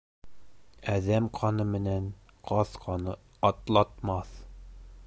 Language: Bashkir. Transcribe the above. Әҙәм ҡаны менән ҡаҙ ҡаны атлатмаҫ.